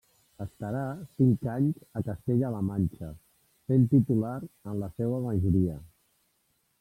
Estarà cinc anys a Castella-La Manxa, sent titular en la seua majoria.